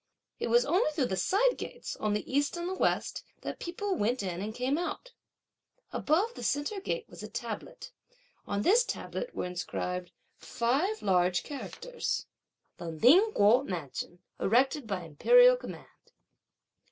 It was only through the side gates, on the east and west, that people went in and came out. Above the centre gate was a tablet. On this tablet were inscribed in five large characters "The Ning Kuo mansion erected by imperial command."